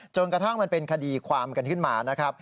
กระทั่งมันเป็นคดีความกันขึ้นมานะครับ